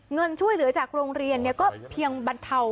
เงินช่วยเหลือจากโรงเรียนก็เพียงบรรเทา